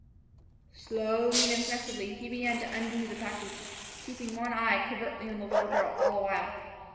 Slowly and impressively he began to undo the package, keeping one eye covertly on the little girl all the while.